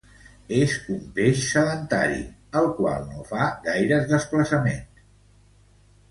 És un peix sedentari, el qual no fa gaires desplaçaments.